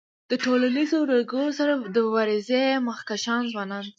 د ټولنیزو ننګونو سره د مبارزی مخکښان ځوانان دي.